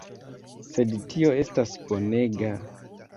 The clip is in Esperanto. Sed tio estas bonega!